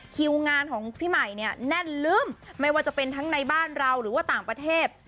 คิวงานของพี่ใหม่เนี่ยแน่นลื้มไม่ว่าจะเป็นทั้งในบ้านเราหรือว่าต่างประเทศ